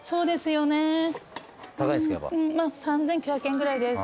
３，９００円ぐらいです。